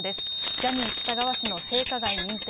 ジャニー喜多川氏の性加害認定。